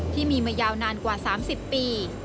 ที่มีมายาวนานกว่า๓๐ปี